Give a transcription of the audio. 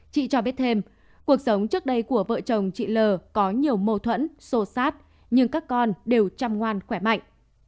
chị cho biết thêm cuộc sống trước đây của vợ chồng chị lờ có nhiều mâu thuẫn xô xát nhưng các con đều chăm ngoan khỏe mạnh